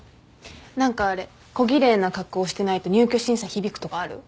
何かあれ小奇麗な格好してないと入居審査響くとかある？